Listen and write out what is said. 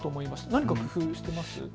何か工夫してます？